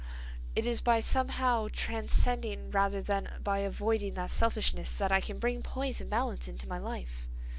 "It is by somehow transcending rather than by avoiding that selfishness that I can bring poise and balance into my life.